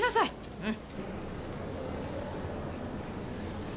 うん。